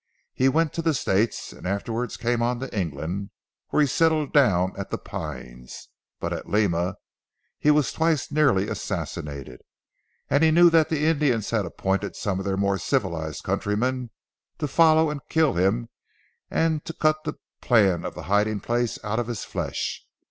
He went to the States, and afterwards came on to England where he settled down at 'The Pines.' But at Lima he was twice nearly assassinated, and knew that the Indians had appointed some of their more civilised countrymen to follow and kill him and to cut the plan of the hiding place out of his flesh.